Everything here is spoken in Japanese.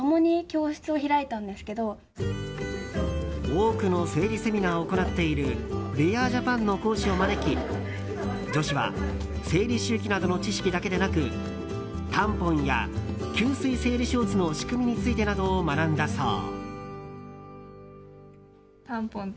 多くの生理セミナーを行っているＢｅ‐ＡＪａｐａｎの講師を招き女子は生理周期などの知識だけでなくタンポンや吸水生理ショーツの仕組みについてなどを学んだそう。